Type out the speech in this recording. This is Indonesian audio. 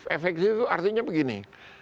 efektif itu artinya begini